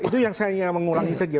itu yang saya mengulangi saja